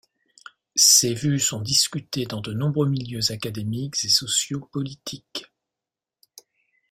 Ses vues sont discutées dans de nombreux milieux académiques et sociopolitiques.